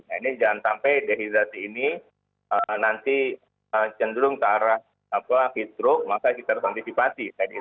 nah ini jangan sampai dehidrasi ini nanti cenderung ke arah heat stroke maka kita harus antisipasi